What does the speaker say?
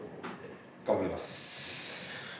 頑張ります。